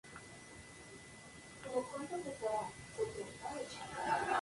Algunas se han colocado más alto que las ganadoras estatales, pero ninguna a ganado.